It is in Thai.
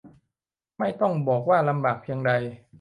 ไม่ต้องบอกว่าลำบากเพียงใด